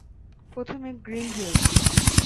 প্রথমে Green hills.